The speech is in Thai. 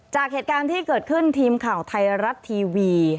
จากเหตุการณ์ที่เกิดขึ้นทีมข่าวไทยรัฐทีวี